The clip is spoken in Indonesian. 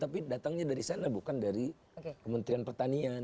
jadi datangnya dari sana bukan dari kementerian pertanian